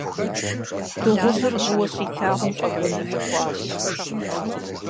Дыгъужьыр гъыуэ щилъагъум, фӏэгуэныхь хъуащ.